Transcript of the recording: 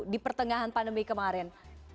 di pertengahan pandemi kemarin